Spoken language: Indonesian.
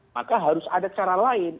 maka harus ada cara lain